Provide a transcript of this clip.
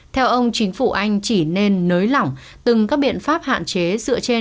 theo ông chính phủ anh chỉ nên nới lỏng từng các biện pháp hạn chế